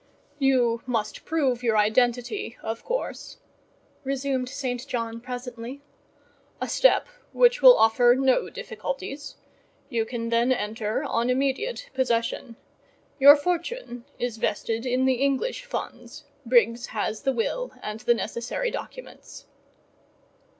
"You must prove your identity of course," resumed St. John presently: "a step which will offer no difficulties; you can then enter on immediate possession. Your fortune is vested in the English funds; Briggs has the will and the necessary documents."